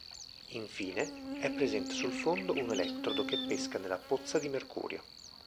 Infine, è presente sul fondo un elettrodo che pesca nella pozza di mercurio.